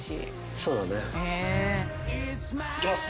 そうだね。いきます。